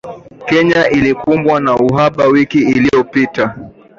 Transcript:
Kenya ilikumbwa na uhaba wiki iliyopita